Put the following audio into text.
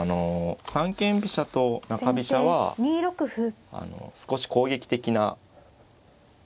三間飛車と中飛車は少し攻撃的な戦法ですかね。